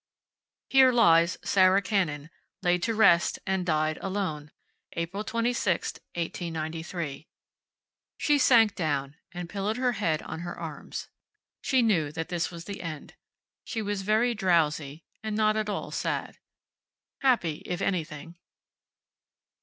"Here lies Sarah Cannon. Lay to rest and died alone, April 26, 1893." She sank down, and pillowed her head on her arms. She knew that this was the end. She was very drowsy, and not at all sad. Happy, if anything.